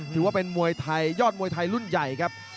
ถือว่าเป็นมวยไทยยอดมวยไทยรุ่นใหญ่ครับ